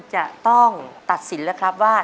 จะต้องตัดสินแล้วครับว่า